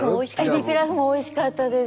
エビピラフもおいしかったです。